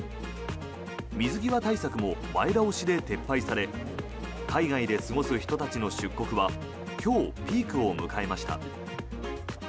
水際対策も前倒しで撤廃され海外で過ごす人たちの出国は今日、ピークを迎えました。